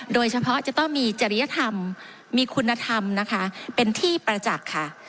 โดยเฉพาะจะต้องมีจริยธรรมมีคุณธรรมนะคะเป็นที่ประจักษ์ค่ะ